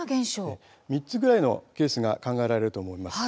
３つくらいのケースが考えられると思います。